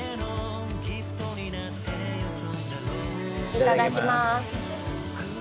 いただきます。